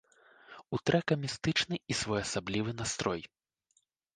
У трэка містычны і своеасаблівы настрой.